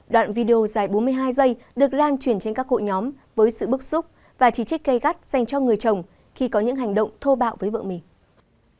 đoạn video dài bốn mươi hai giây được lan truyền trên các hội nhóm với sự bức xúc và chỉ trích gây gắt dành cho người chồng khi có những hành động thô bạo với vợ mình